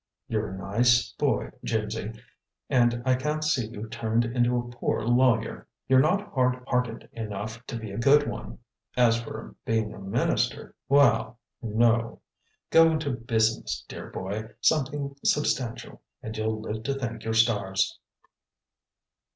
"You're a nice boy, Jimsy, and I can't see you turned into a poor lawyer. You're not hard headed enough to be a good one. As for being a minister, well no. Go into business, dear boy, something substantial, and you'll live to thank your stars."